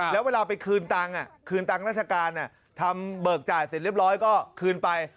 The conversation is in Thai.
แล้วเวลาไปคืนตังค์คืนตังค์ราชการทำเบิกจ่ายเสร็จเรียบร้อยก็คืนไป